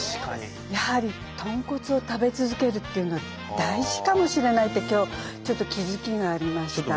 やはり豚骨を食べ続けるっていうのは大事かもしれないって今日ちょっと気付きがありました。